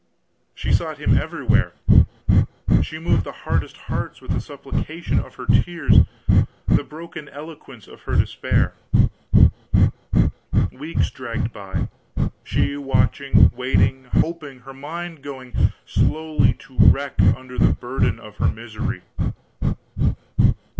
She sought him everywhere, she moved the hardest hearts with the supplications of her tears, the broken eloquence of her despair. Weeks dragged by, she watching, waiting, hoping, her mind going slowly to wreck under the burden of her misery.